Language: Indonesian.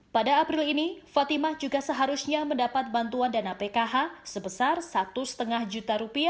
pada april ini fatimah juga seharusnya mendapat bantuan dana pkh sebesar rp satu lima juta